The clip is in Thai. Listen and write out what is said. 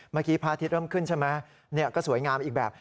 เมื่อกี้พระอาทิตย์เริ่มขึ้นใช่ไหมก็สวยงามอีกแบบ